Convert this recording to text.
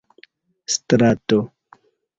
strato